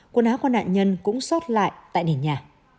quần áo của nạn nhân cũng xót lại tại nền nhà